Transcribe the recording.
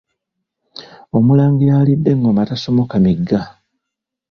Omulangira alidde engoma tasomoka migga.